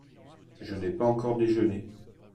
Je n'ai pas encore déjeuné.